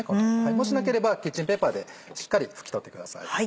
もしなければキッチンペーパーでしっかり拭き取ってください。